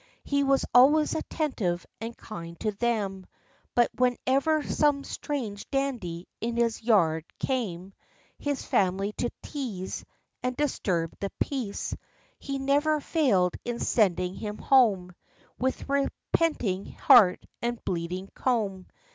He was always attentive and kind to them; But whenever some strange dandy in his yard came, His family to tease, And disturb the peace, He never failed in sending him home With repenting heart and bleeding comb.